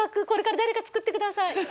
これから誰か作ってください。